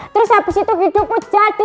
terus abis itu hidupku jatuh